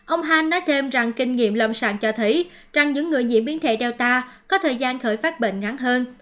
ông han nói thêm rằng kinh nghiệm lâm sàng cho thấy rằng những người nhiễm biến thể data có thời gian khởi phát bệnh ngắn hơn